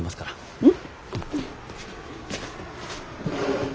うん。